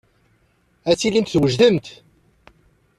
Ad tilimt twejdemt.